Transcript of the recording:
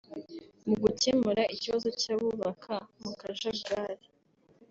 Mu gukemura ikibazo cy’abubaka mu kajagari